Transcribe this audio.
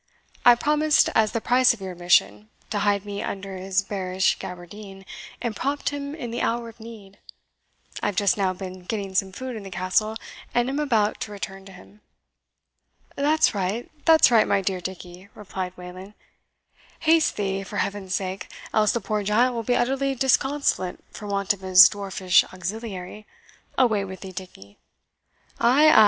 I promised, as the price of your admission, to hide me under his bearish gaberdine, and prompt him in the hour of need. I have just now been getting some food in the Castle, and am about to return to him." "That's right that's right, my dear Dickie," replied Wayland; "haste thee, for Heaven's sake! else the poor giant will be utterly disconsolate for want of his dwarfish auxiliary. Away with thee, Dickie!" "Ay, ay!"